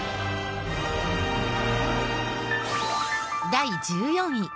第１４位